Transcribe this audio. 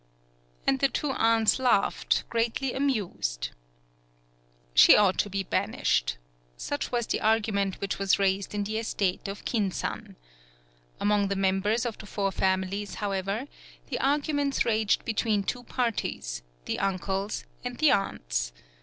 And the two aunts laughed, greatly amused. She ought to be banished. Such was 126 A DOMESTIC ANIMAL the argument which was raised in the estate of Kin san. Among the members of the four families, however, the argu ments raged between two parties, the uncles and the aunts.